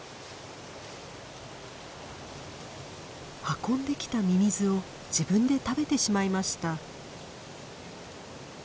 運んできたミミズを自分で食べてしまいました。